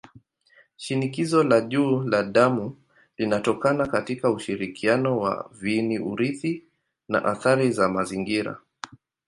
Shinikizo la juu la damu linatokana katika ushirikiano wa viini-urithi na athari za mazingira.